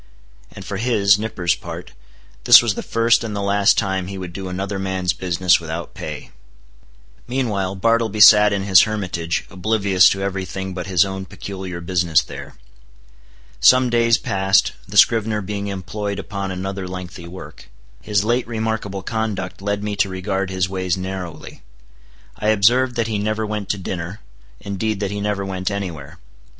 And for his (Nippers') part, this was the first and the last time he would do another man's business without pay. Meanwhile Bartleby sat in his hermitage, oblivious to every thing but his own peculiar business there. Some days passed, the scrivener being employed upon another lengthy work. His late remarkable conduct led me to regard his ways narrowly. I observed that he never went to dinner; indeed that he never went any where.